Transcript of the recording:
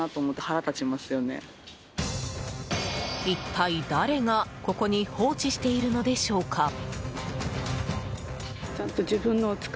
一体誰がここに放置しているのでしょうか。